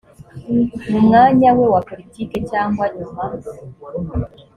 mu mwanya we wa politiki cyangwa nyuma